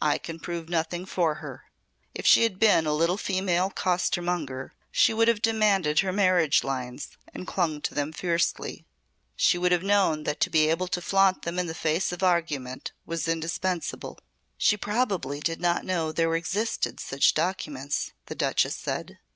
I can prove nothing for her. If she had been a little female costermonger she would have demanded her 'marriage lines' and clung to them fiercely. She would have known that to be able to flaunt them in the face of argument was indispensable." "She probably did not know that there existed such documents," the Duchess said.